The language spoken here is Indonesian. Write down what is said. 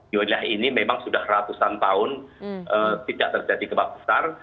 di wilayah ini memang sudah ratusan tahun tidak terjadi gempa besar